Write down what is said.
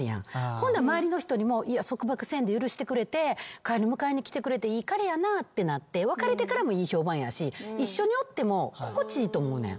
ほな周りの人にも束縛せんで許してくれて帰り迎えに来てくれていい彼やなってなって別れてからもいい評判やし一緒におっても心地いいと思うねん。